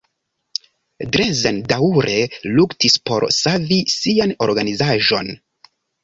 Drezen daŭre luktis por savi sian organizaĵon.